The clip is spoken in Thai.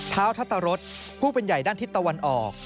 เท้าทัตรรสผู้เป็นใหญ่ด้านทิศตะวันออก